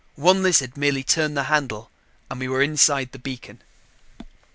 One lizard merely turned the handle and we were inside the beacon.